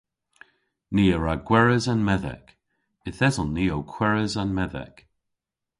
Ni a wra gweres an medhek. Yth eson ni ow kweres an medhek.